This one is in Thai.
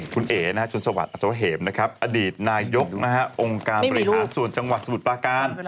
คุณเอ๋ชนสวัสดิอสวเหมนะครับอดีตนายกองค์การบริหารส่วนจังหวัดสมุทรปลาการ